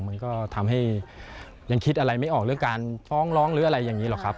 มันก็ทำให้ยังคิดอะไรไม่ออกเรื่องการฟ้องร้องหรืออะไรอย่างนี้หรอกครับ